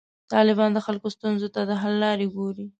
طالبان د خلکو ستونزو ته د حل لارې ګوري.